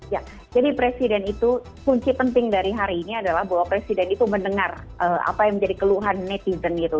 ya jadi presiden itu kunci penting dari hari ini adalah bahwa presiden itu mendengar apa yang menjadi keluhan netizen gitu